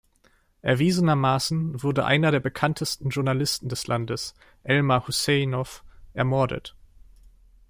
Erwiesenermaßen wurde einer der bekanntesten Journalisten des Landes, Elmar Husejnow, ermordet.